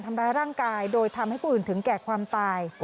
ทำร้ายร่างกายโดยทำให้ผู้อื่นถึงแก่ความตาย